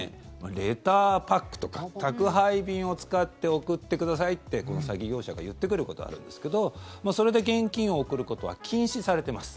レターパックとか宅配便を使って送ってくださいってこの詐欺業者が言ってくることあるんですけどそれで現金を送ることは禁止されてます。